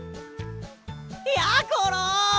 やころ！